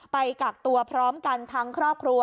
ไปกักตัวพร้อมกันทั้งครอบครัว